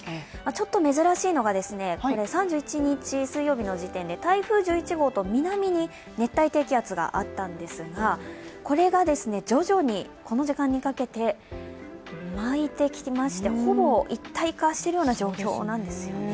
ちょっと珍しいのが３１日、水曜日の時点で台風１１号と南に熱帯低気圧があったんですがこれが徐々に、この時間にかけて巻いてきまして、ほぼ一体化してきているような状況なんですね。